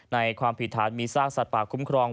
ความผิดฐานมีซากสัตว์ป่าคุ้มครอง